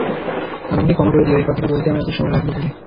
আর আমাকে ক্ষমা করে দিও এই কথাটা বলতে আমার এতো সময় লাগলো বলে।